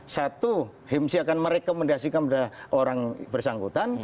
satu himsi akan merekomendasikan pada orang bersangkutan